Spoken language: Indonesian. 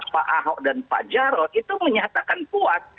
pak ahok dan pak jarot itu menyatakan puas